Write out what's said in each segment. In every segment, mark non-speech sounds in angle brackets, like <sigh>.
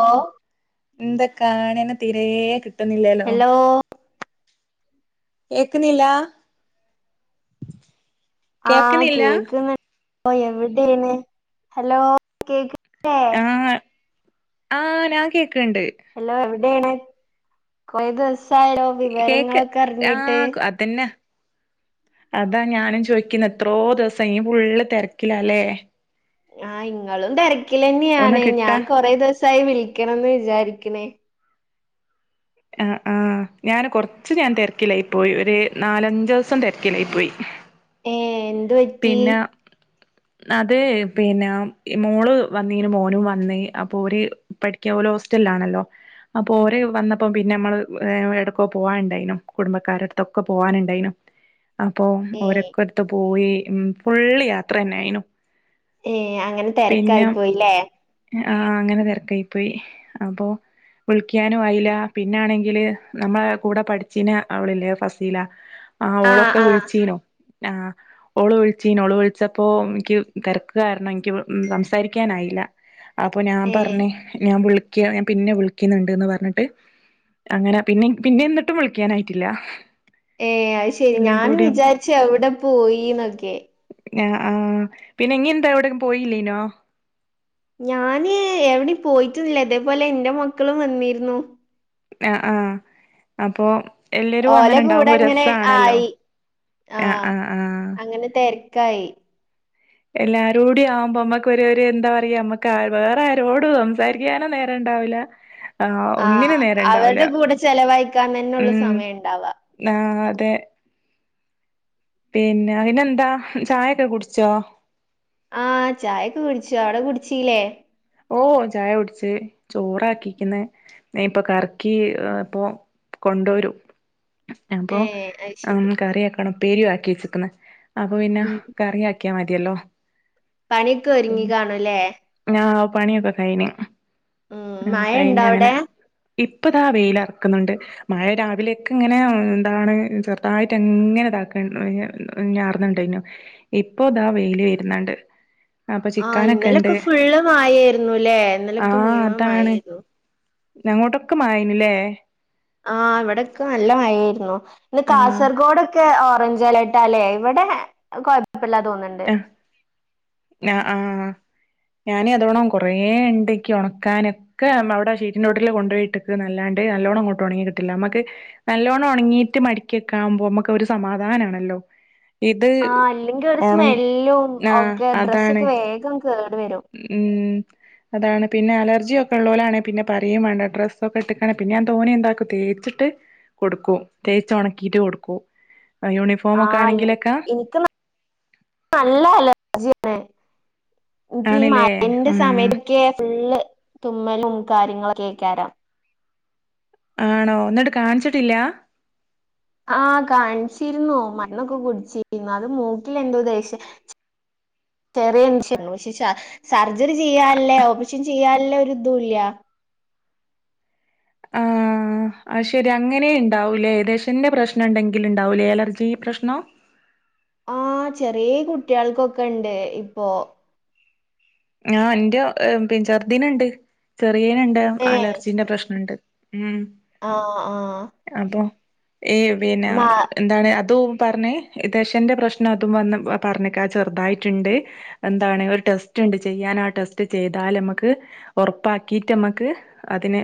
ഓ, എന്ത് കാണന് തീരെ കിട്ടുന്നില്ലല്ലോ. ഹലോ ഏക്കുന്നില്ല. ആ കേക്കുന്നു. ഒ എവിടെണ് ഹലോ കേക്കു ആ ആ ഞാൻ കേക്കണ്ട്. ടെണ് കൊയ ദിവസ ആയല്ലോ കേക്ക് വിവരങ്ങളൊക്കെ അറിഞ്ഞിട്ട്. ആഹ് അതന്നെ അതാ ഞാനും ചോയിക്കുന്ന, എത്രോ ദിവസായി നീ ഫുള്ള് തിരക്കിലല്ലേ. ആ ഇങ്ങളും ഒന്ന് തിരക്കിലന്നെയാണ് ഞാൻ കിട്ടാ കൊറെ ദിവസ സായി വിളിക്കണം എന്ന് വിചാരിക്കണേ. ആ ആഹ ഞാന് കൊറച്ച് ഞാൻ തിരക്കിലായി പോയി. ഒരു നാലഞ്ച് ദിവസം തിരക്കിലായി പോയി. ഏ എന്തു പറ്റി. അതെ, പിന്നെ ഈ മോള് വന്നന് മോനും വന്ന് അപ്പൊ ഓര് പഠിക്കാ ഓല് ഹോസ്റ്റൽ ൽ ആണല്ലോ. അപ്പോ ഓര് വന്നപ്പോ പിന്നെ നമ്മള് എവടക്ക് പോവാനുണ്ടായിനു കുടുംബക്കാരടുത്തൊക്കെ പോകാനുണ്ടായിനും. <inaudible> അപ്പൊ ഏ ഓരക്കടുത്ത് പോയി, ഉം ഫുളള് യാത്രന്നെയിനു. ഏ അങ്ങനെ തിരക്ക് ആയി പോയില്ലേ. ആ അങ്ങനെ തിരക്കായി പോയി അപ്പൊ വിളിക്കാനും ആയില്ല പിന്നാണെങ്കില് നമ്മളെ കൂടെ പഠിച്ചിന് അവളില്ലേ ഫസീല ആ ഓളൊക്കെ വിളിച്ചീനു. ആ ഓള് വിളിച്ചീനു ഓള് വിളിച്ചപ്പോ ഇക്ക് തെരക്ക് കാരണം ഇൻക് സംസാരിക്കാനായില്ല. അപ്പൊ ഞാൻ ഏ പറഞ്ഞ് ഞാൻ വിളിക്ക ഞാൻ പിന്നെ വിളിക്കുന്നുണ്ട്ന്ന് പറഞ്ഞിട്ട് അങ്ങനെ പിന്നെ പിന്നെ എന്നിട്ടും വിളിക്കാനായിട്ടില്ല. ഏ അത് ശെരി എല്ലാം ഞൻ കൂടിയും വിചാരിച്ച എവിടെ പോയിന്നൊക്കെ. ആ ആഹ പിന്നെ ഇങ്ങെന്താ എവിടെും പോയില്ലേനോ? ഞാന് എവിടേം പോയിട്ടുന്നില്ല തേപോലെ എന്റെ മക്കളും വന്നിരുന്നു. ആ ആഹ അപ്പൊ എല്ലരും അങ്ങനെ ഉണ്ടാവുമ്പോ രസാണല്ലോ. ആഹ് ആഹ ആഹ് ആഹ് അങ്ങനെ തിരക്കായി. എല്ലാരൂട്യവുമ്പോമ്മക്ക് ഒരു ഒര് ന്താ പറയാമ്മക്ക് വേറെ ആരോടും സംസാരിക്കാനും നേരണ്ടാ ണ്ടാവില ആ ആഹ്. ഒന്നിനും നേരണ്ടാവൂല അവരുടെ കൂടെ ചെലവഴിക്കാൻ തന്നൊള്ളു ഉം സമയണ്ടാവാ. ആ അതെ. പിന്നെ ഇന്നെന്താ ചായൊക്കെ കുടിച്ചോ? ആഹ ചായൊക്കെ കുടിച്ചു അവിടെ കുടിച്ചീല്ലേ. ഓ ചായ കുടിച്ച് ചോറാക്കിക്ക്‌ന് ഇപ്പൊ കറക്കി ഇപ്പൊ കൊണ്ടോരും അപ്പൊ ഏഹ് അത് ഉം ശരി. കറിആക്കണംപേരി ആക്കി വച്ച്ക്ക്ന്ന്. അപ്പൊ പിന്ന കറി ആക്കിയാ മതിഅല്ലോ? പണിക്കെ ഒരുങ്ങി കാണുല്ലേ. ആഹ് പണിയൊക്കെ കഴിഞ്ഞു ഉം. മഴണ്ടോ കഴിഞ്ഞങ്ങന അവിടെ? ഇപ്പതാ വെയിലർക്ക്ന്ന്ണ്ട്‌. മഴ രാവിലെയൊക്കെ ഇങ്ങനെ എന്താണ് ചെറുതായിട്ട് അങ്ങനെ ഇതാക്ക <unintelligible> ത്ണ്ടായനു ഇപ്പോ ഇതാ വെയില് വെ ര്ന്ന്ണ്ട്. ആ ഇന്നലൊക്കെ ഫുള്ള് മയെരുന്നുല്ലേ ആഹ് ഇന്നലൊക്കെമുഴുവൻ അതാണ് മയെരുന്നു. ഞങ്ങോട്ടൊക്കെ മയായ്നല്ലേ. ആ ഇവിടെക്കെ നല്ല മഴ ആയിരുന്നു ഇന്ന് ആഹ് കാസർഗോഡൊക്കെ ഓറഞ്ച് ജലട്ടല്ലേ ഇവിടെ കോയപ്പില്ലാ തോന്നുണ്ട്. ആഹ ആഹ ഞാനതോണം കൊറേണ്ട്‌ ക്കി ഉണക്കാനൊക്കെ അവിടെ ആ ഷീറ്റിന്ടോട്ടില് കൊണ്ടോയിട്ട്ക്ക്‌ന്നല്ലാണ്ട് ണ്ട് നല്ലോണം അങ്ങോട്ട് ഉണങ്ങി കിട്ടില്ല നമുക്ക് നല്ലോണം ഉണങ്ങിട്ട് മടക്കിക്കാം പോവുമ്പോ ഒരു സമാധാനാണല്ലോ. <inaudible> ആ അല്ലെങ്കിൽ ഒരു ഒണ സ്മെല്ലും ആ ഒക്കെ അതാണ് ഡ്രസ്സക്കെ വേഗം കേ ഉം അതാണ് പിന്നെ അലർജിയൊക്കെ ഉള്ളോലാണെ പിന്നെ പറയെം വേണ്ട ഡ്രസ്സ ഒക്കെ ഇട്ട്ക്കാണെ പിന്നെ ഞാൻ തോനേം ന്താക്കും തേ തേച്ചിട്ട് കൊടുക്കൂ തേച്ച് ഒണക്കിട്ട് കൊടുക്കും യൂണിഫോമൊക്കെ ആനി ആണെങ്കിലൊക്കെ ഇൻക്ക് നല്ല അലർജിയാണ് എനിക്ക് ഈ ആണില്ലേ മഴന്റെ ഉം സമയത്തൊക്കെ ഫുള്ള് തുമ്മലും കാര്യങ്ങളൊക്കെക്കാരം ആണോ ന്നിട്ട് കാണിച്ചിട്ടില്ല ആഹ കാണിച്ചിരുന്നു മര്ന്നൊക്കെ കുടിച്ചിരുന്നു അത് മൂക്കിലെന്തോ ദെശ ചെറിയഷു ശ് ഷാ സർജറി ചെയ്യാൻല്ല ഓപ്പറേഷൻ ചെയ്യാൻല്ല ഒരു ഇതും ഇല്ല <inaudible> ആ അയ് ശെരി അങ്ങനെ ഉണ്ടാവൂലേ ദെശന്റെ പ്രശ്നം ഉണ്ടെങ്കിലും. ഉണ്ടാവൂലേ അലർജി പ്രശ്നം ആ ചെറിയ കുട്ടികൾക്കൊക്കെ ഉണ്ട് ഇപ്പോ ആ എന്റെ പി ചെറുതിനുണ്ട് ചെറിയേനുണ്ട് ഏഹ് അലർജിന്റെ പ്രശ്നണ്ട് ഉം ആഹ് ആഹ് അപ്പൊ ഏ പിന്നെ മാ എന്താണ് അതും പറഞ്ഞേ ദെശന്റെ പ്രശ്നം അതും വന്ന് പറഞ്ഞേക്കാ ചെറുതായിട്ടുണ്ട് എന്താണ് ഒരു ടെസ്റ്റ് ണ്ട് ചെയ്യാൻ ആ ടെസ്റ്റ് ചെയ്താൽ നമ്മക്ക് ഉറപ്പാക്കിട്ടമ്മക്ക് അതിനെ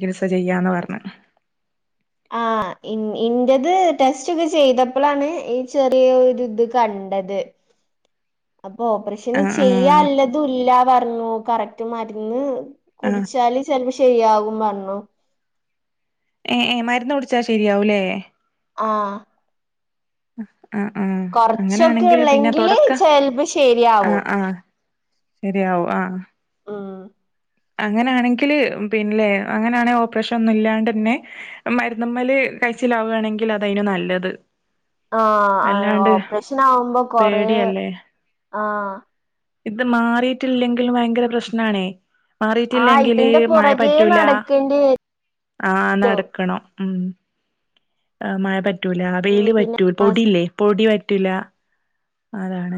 ചികിത്സ ചെയ്യാന്ന് പറഞ്ഞ് <inaudible> ആ ഇന്റത് ടെസ്റ്റ് ഒക്കെ ചെയ്തപ്പളാണ് ഈ ചെറിയ ഒര്ത് കണ്ട ണ്ടത്. അപ്പൊ ഓപ്പറേഷന് ആഹ് ആഹ് ചെയ്യാല്ലതുല്ലാ പറഞ്ഞു കറക്റ്റ് മരുന്ന് ആഹ് കുടിച്ചാല് ചെൽപ്പം ശരിയാവും പർഞ്ഞു. ഏ ഏ മരുന്ന് കുടിച്ചാ ഷെരിയാവുലെ ആഹ ആഹ ആഹ കൊറച്ചൊക്കെ അങ്ങനെയാണെങ്കിൽ പിന്നെ ഉള്ളെങ്കില് തുടക്ക ചെലപ്പോ ആഹ ശരിയാവും ആഹ ശരിയാവും ആ ഉം അങ്ങനാണെങ്കില് പിന്നലെ അങ്ങനൊണെങ്കിൽ ഓപ്പറേഷോന്നുല്ലാണ്ടന്നെ മരുന്നുമ്മല് കഴിച്ചിലാവാണെങ്കിൽ അതെയ്നു നല്ലത്. ആ ആഹ് അല്ലാണ്ട് ഓപ്പറേഷനാവുമ്പോ കൊറേ പേടിയല്ലേ ആഹ ഇത് മാറിട്ടില്ലെങ്കിലും ഭയങ്കര പ്രശ്നണെ ആഹ് മാറിട്ടില്ലെങ്കില് ഇതിന്റെ മഴ പുറകേ പറ്റൂല നടക്കേണ്ടി വരും ആ നടക്കണം ഉം എ മഴ പറ്റൂല ഉം വെയ്ല് പിന്നെ പറ്റൂ പൊടില്ലേ പൊടി പറ്റൂല അതാണ്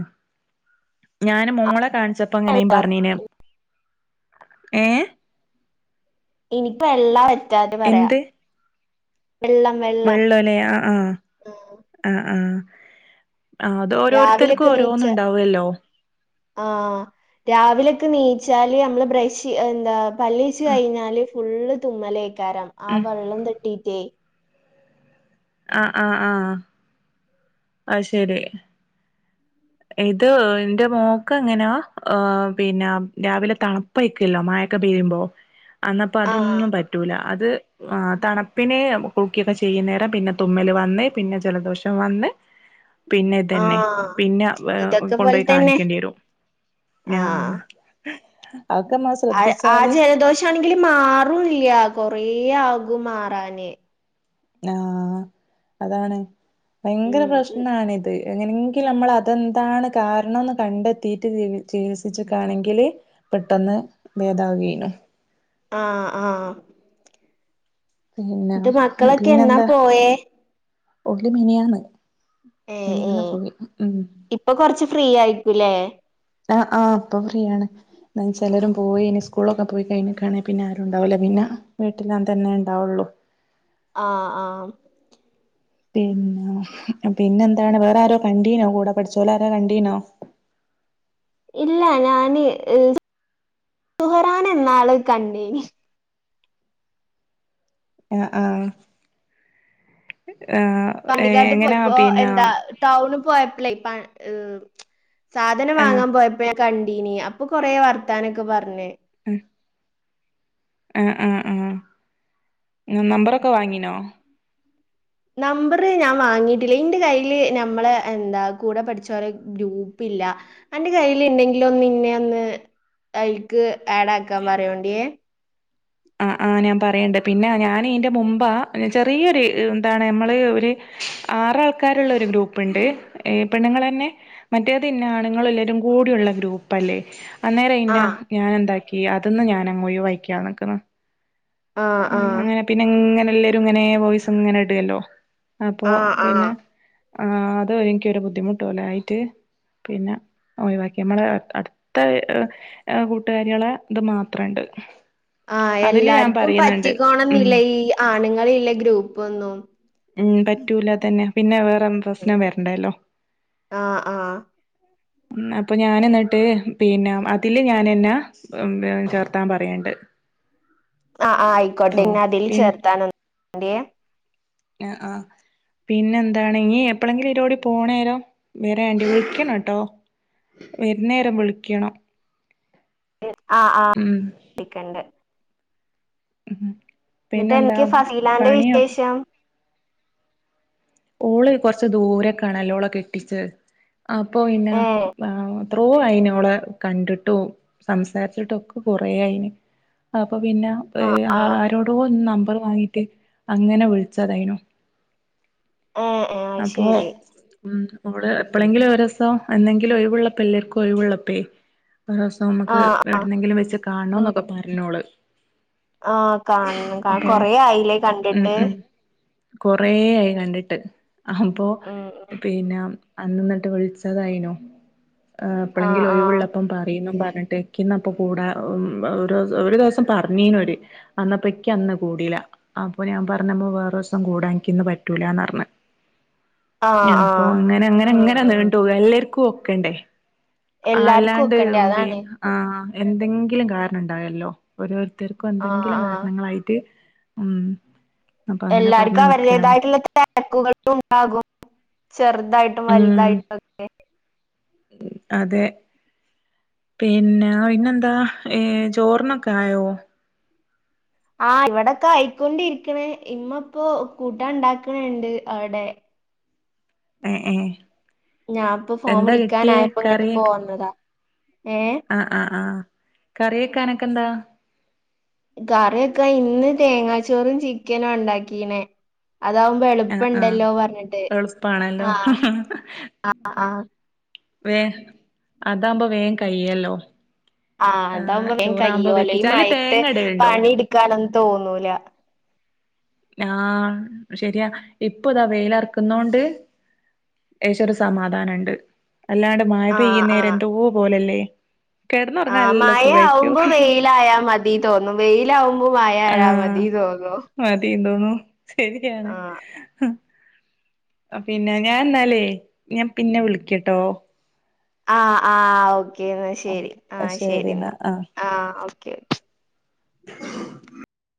ഞാന് മോളെ കാണിച്ചപ്പോ അങ്ങനേം പറഞ്ഞീനെ ഏ ഇനിപ്പ എല്ലാം പറ്റാതെ പറയാ വെള്ളം വെള്ളം വെള്ളോലി ആഹ ആഹ ആഹ് ആഹ ആഹ ആ അത് ഓരോരുത്തര്ക്കും രാവിലെയൊക്കെ ഓരോന്ന് നീച്ചാ ണ്ടാവല്ലോ ആഹ് രാവിലൊക്കെ നീച്ചാല് അമ്മള് ബ്രഷ് എന്താ പല്ലേച്ച് കഴിഞ്ഞാല് ഫുള്ള് തുമ്മലേക്കാരം ആ ഉം വെള്ളം തട്ടീട്ടെ അഹ അഹ ആഹ് അയ് ശെരി ഇത് എന്റെ മോക്ക് അങ്ങനാ അഹ് പിന്നെ രാവിലെ തണുപ്പയ്ക്കല്ലോ മ കപ്പെയ്യുമ്പോ അന്നപ്പം ആഹ് അതൊന്നും പറ്റൂല അത് ആ തണുപ്പിന് കുറുക്കിയൊക്കെ ചെയ്യുന്നേരം പിന്നെ തുമ്മല് വന്ന് പിന്നെ ജലദോഷം വന്ന്. പിന്നെദന്നെ ആഹ് പിന്നെ ഇതൊക്കെ പോലെ കൊണ്ടോയ് തന്നെ കാണിക്കേണ്ടിവരും ആഹ് ആ ആ ആ ജലദോഷാണെങ്കില് മാറുല്ല്യാ കൊറേ ഇആകുമാറാനേ ആഹ അതാണ് ഭയങ്കര ഉം ഉം പ്രശ്നാണ് ഇത് എങ്ങനെങ്കിൽ അമ്മൾ അതെന്താണ് കാരണംന്ന് കണ്ടെത്തിട്ട് ചികിത്സിച്ചിക്കാണെങ്കില് പെട്ടെന്ന് ഭേദാവുകേനു. ആഹ ആഹ് പിന്നെ ന്നിട്ട് മക്കളൊക്കെ പിന്നെ എന്നാ എന്താ പോയേ ഓല് മിനിയാന്ന് ഏഹ് മിനിയാന്ന് ഏഹ് പോയി ഉം ഇപ്പൊ കൊറച്ച് ഫ്രീ ആയിക്കൂല്ലേ? ആഹ് ആഹ്പ്പൊ ഫ്രീയാണ് ന ചെലരും പോയി ഇനി സ്കൂളൊക്കെ പോയി കഴിഞ്ഞകാണെ പിന്നെ ആരുണ്ടാവൂില്ല പിന്നെ വീട്ടിലാ തന്നെ ഉണ്ടാവുള്ളു. ആഹ ആഹ് പിന്ന പിന്നെന്താണ് വേറെ ആരോ കണ്ടീനോ കൂടെ പഠിച്ചോല ആാരോ കണ്ടീനോ? <inaudible> ഇല്ല ഞാന് ഹ് സുഹറാനെ ന്നാള് കണ്ടീ ഞ് ഹ്. ആഹ ആഹ പണ്ടിക്കാട്ട് പോയപ്പോ എന്താ ടൗണ് പോയ അല്ല ഏ പാഉം സാധനം ആഹ് വാങ്ങാൻ പോയപ്പോഴ കണ്ടീന് അപ്പൊ കൊറേ വർത്താനൊക്കെ പറഞ്. ഉം ആ ആ ആ നമ്പറൊക്കെ വാങ്ങീനോ? നമ്പര് ഞാൻ വാങ്ങീട്ടില്ല ഇന്റെ കയ്യില് നമ്മള എന്താ കൂടെ പഠിച്ചോരെ ഗ്രൂപ്പി ഇല്ല അന്റെ കയ്യ്ല് ഇണ്ടെങ്കിലൊന്ന് ഇന്നെ ഒന്ന് അയി--ക് ആഡാക്കാൻ പറയോണ്ടിയേ ആ ആ ഞാൻ പറയണ്ട് പിന്നെ ഞാൻ ഈന്റ മുമ്പാ ചെറിയൊരു എന്താണ് നമ്മള് ഒര് ആറാൾക്കാര്ള്ളൊരു ഗ്രൂപ്പ് ഇണ്ട് പെണ്ണുങ്ങളെന്നെ മറ്റേത് ഇന്ന ആണുങ്ങള്ല്ലൊരു കൂ ടിയുള്ള ഗ്രൂപ്പ് അല്ലേ അന്നേരം ഇന്ന ആഹ് ഞാൻ എന്താക്കി അത് ന്ന് ഞാനങ്ങ് ഒഴിവാക്കിയാ നിക്കുന്നത്. ആഹ് ആഹ് അങ്ങനെ പിന്നെ ഇങ്ങനെല്ലരും ഇങ്ങനെ വോയിസ് ഇങ്ങനെ ഇടല്ലോ. അപ്പൊ ആഹ് ആഹ് പിന്നെ ആ അത് എനിക്കൊരു ബുദ്ധിമുട്ട് പോലെ ആയിട്ട് പിന്നെ ഒഴിവാക്കി നമ്മളെ അടുത്ത കൂട്ടുകാരികളെ ഇത് മാത്രണ്ട്. <inaudible> ആഹ് അതില് ഞാൻ എല്ലാർക്കും പറയുന്നുണ്ട് ഉം പറ്റിക്കോണന്നില്ല ഈ ആണ്ങ്ങളിള്ളെ ഗ്രൂപ്പൊന്നും. ഉം പറ്റൂല അതെ പ്പം പ്രശ്നം വരണ്ടല്ലോ ആഹ് ആഹ് ഉം അപ്പൊ ഞാൻ ഇന്നട്ട് പിന്നെ അതില് ഞാൻ അന്നെ ചേർത്താൻ പറയണ്ട്. ആ ആ ആയിക്കോട്ടെ ട്ടോ ഇന്നെ അതിൽ ചേർത്താനൊന്ന് <inaudible> തിയേ. ആ ആ പിന്നെ എന്താണ് ഇനി എപ്പൊളെങ്കിലും ഈലൂടി പോണേരം വെരേണ്ടി വിളിക്കണംട്ടോ വര്ന്നേരം വിളിക്കണം ആ ആ ഉം വിളിക്കണ്ട് പിന്നെ എന്താ എനിക്ക് ഫസീലാന്റെ പണിയൊ വിശേഷം ഓള് കൊർച്ച് ദൂരേക്കാണല്ലോ ഓളെ കെട്ടിച്ചത് അപ്പൊ പിന്നെ ഏ <inaudible> എത്രോ അയീന് ഓളെ കണ്ടിട്ടും സംസാരിച്ചിട്ടും ഒക്കെ കൊറേ ആയീന്. അ അപ്പൊ പിന്നെപെ ആ ആ ആരോടോ ഒന്ന് ന മ്പർ വാങ്ങീട്ട് അങ്ങനെ വിളിച്ചതേയ്നു ഏ ഏ അത് അപ്പോ ശരി ഉം ഓള് എപ്പളെങ്കിലും ഒരോസം എന്നെങ്കിലും ഒഴിവള്ളപ്പ എല്ലാർക്കും ഒഴിവുള്ളപ്പേ ആ ഒരോസമ്മക്ക് ആ ഏട്ന്നെങ്കിലും വെച്ച് കാണണോന്നെക്കെ പറഞ്ഞോള്. ആ കാണണം അപ്പൊ കൊറേ ആയില്ലേ ഉം കണ്ടിട്ട് ഉം കൊറേ ആയി കണ്ടിട്ട് അപ്പൊ ഉം പിന്ന അന്ന്ന്നിട്ട് വിളിച്ചതായിനു ആ എപ്പളെങ്കിലും ആ ഒഴിവള്ളപ്പം പറീന്നും പറ എൺട്ട് ക്കിന്നപ്പ കൂടാ ഒര് ഒരു ദിവസം പറഞ്ഞീനോര് അന്നപ്പോ ഇക്ക് അന്ന് കൂടീല്ല അപ്പൊ ഞാൻ പറഞ്ഞ് നമ്മ വേറോസം കൂടാ ഇൻകിന്ന് പറ്റൂല്ലാന്നർണ് ആ ആ ഞഅപ്പൊ അങ്ങനെ അങ്ങനെ അങ്ങനെ നീണ്ടോവാ എല്ലര്ക്കും ഒക്കെണ്ടേ എല്ലാർക്കും ആല്ലാണ്ട് ഒക്കണ്ടേ ബി അതാണ് ആ എന്തെങ്കിലും കാരണം ഉണ്ടാകല്ലോ ഓരോരുത്തർക്കും ആ എന്തെങ്കിലും ആ കാരണങ്ങളായിട്ട് ഉം അപ്പൊ അങ്ങനെ പറഞ്ഞ് എല്ലാർക്കും നിക്കാണ് അവരുടേതായിട്ടുള്ള തെരക്കുക്കൾ ഉണ്ടാകും ചെറ്തായിട്ടും വലുതായിട്ടും ഒക്കെ ഉം അതെ പിന്നെ പിന്നെന്താ ഏ ചോറിനൊക്കെ ആയോ ആ ഇവിടൊക്കെ ആയിക്കൊണ്ടിരിക്ക്ണ് ഇമ്മ ഇപ്പോ കൂട്ടാൻ ഇണ്ടാക്കണ് ണ്ട് അവ്ടെ എ ഏ ഞാൻ ഇപ്പൊ ഫോൺ വിളിക്കാനായപ്പം ഇങ്ങട്ട് പോന്നതാ ഏഹ് ആ ആ ആ കറി വെക്കാനൊക്കെ എന്താ കറി വെക്കാൻ ഇന്ന് തേങ്ങാച്ചോറും ചിക്കനാണ്ടാക്കീനെ അതാവുമ്പോ ആഹ് ആഹ് എളുപ്പണ്ടല്ലോ പറഞ്ഞിട്ട് എളുപ്പാണല്ലോ ആ അ ആ വേ അതാവുമ്പോ വേം കയ്യല്ലോ ആ അതാവുമ്പോ വേം കയ്യോല്ലൊ ഈ അതില് മഴയത്ത് തേങ്ങ ഇടലുണ്ടോ പണി ഇട്ക്കാനൊന്നും തോന്നൂല ആ ശെരിയാ ഇപ്പൊ ഇതാ വെയിലറുക്കുന്നോണ്ട് ലേശം ഒരു സമാധാനംണ്ട് അല്ലാണ്ട് മഴ ആഹ് പെയ്യ്ന്നേരം എന്തോ പോലല്ലേ ആ കിടന്നുറങ്ങാൻ നല്ല മയ സുഖായിരിക്കും ആവുമ്പോ വെയിലായാ മതി തോന്നും വെയിലാവുമ്പോ മയായാ മതി തോന്നും ഹലോ ഇണ്ടോന്ന് ശരിയാണ് ഹാ പിന്നെ ഞാൻ ഇന്നാല്ലേ ഞാൻ പിന്നെ വിളിക്കട്ടോ ആ ആ ഓക്കേ എന്നാ ശെരി ആഹ് ശെരി എന്നാ ആഹ് ഓക്കെ ഓക്കെ <unintelligible>